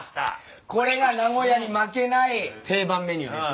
これが名古屋に負けない定番メニューですね。